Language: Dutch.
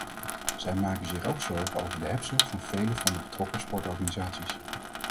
Zij maken zich ook zorgen over de hebzucht van vele van de betrokken sportorganisaties.